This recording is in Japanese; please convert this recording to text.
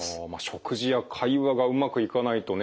食事や会話がうまくいかないとね